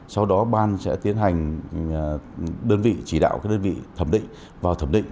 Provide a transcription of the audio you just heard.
sau đó ban sẽ tiến hành đơn vị chỉ đạo đơn vị thẩm định vào thẩm định